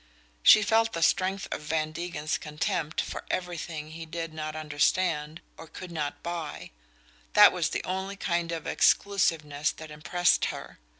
She felt the strength of Van Degen's contempt for everything he did not understand or could not buy: that was the only kind of "exclusiveness" that impressed her.